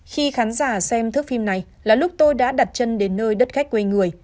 khi khán giả xem thước phim này là lúc tôi đã đặt chân đến nơi đất khách quê người